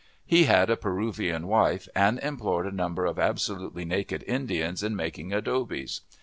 He had a Peruvian wife, and employed a number of absolutely naked Indians in making adobes.